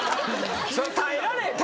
そりゃ耐えられへんよ。